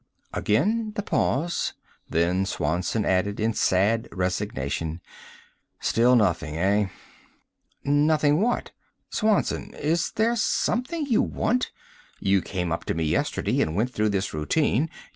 Again the pause. Then Swanson asked in sad resignation, "Still nothing, eh?" "Nothing what? Swanson, is there something you want? You came up to me yesterday and went through this routine.